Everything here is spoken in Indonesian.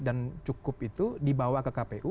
dan cukup itu dibawa ke kpu